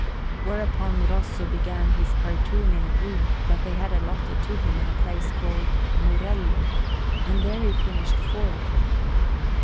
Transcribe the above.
Whereupon Rosso began his cartoons in a room that they had allotted to him in a place called Murello; and there he finished four of them.